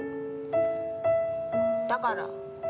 だから。